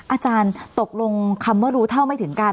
อาจารย์ตกลงคำว่ารู้เท่าไม่ถึงการ